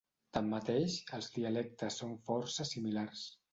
Tanmateix, els dialectes són força similars.